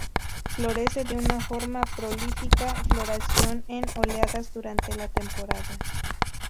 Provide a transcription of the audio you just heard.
Florece de una forma prolífica, floración en oleadas durante la temporada.